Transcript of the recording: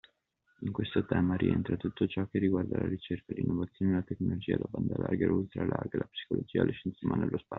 In questo tema rientra tutto ciò che riguarda la ricerca, l’innovazione, la tecnologia, la banda larga e ultralarga, la psicologia, le scienze umane, lo spazio.